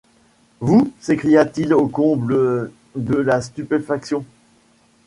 Vous! s’écria-t-il au comble de la stupéfaction.